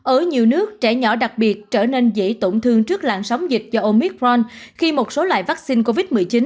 ở nhiều nước trẻ nhỏ đặc biệt trở nên dễ tổn thương trước làn sóng dịch do omitron khi một số loại vaccine covid một mươi chín